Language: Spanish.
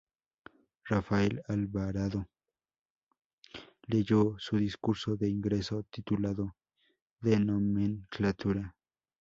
Rafael Alvarado leyó su discurso de ingreso, titulado "De nomenclatura.